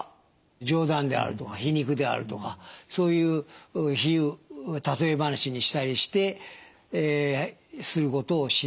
冗談であるとか皮肉であるとかそういう比喩例え話にしたりすることをしない。